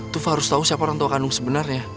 tufa harus tahu siapa orang tua kandung sebenarnya